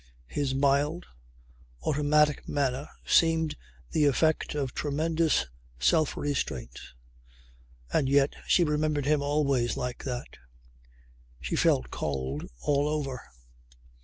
His mild automatic manner seemed the effect of tremendous self restraint and yet she remembered him always like that. She felt cold all over.